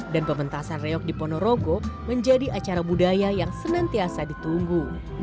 dan pementasan reok di ponorogo menjadi acara budaya yang senantiasa ditunggu